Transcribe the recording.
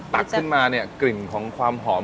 ตักขึ้นมาเนี่ยกลิ่นของความหอม